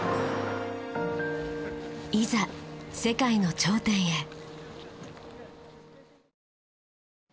いざ世界の頂点へ。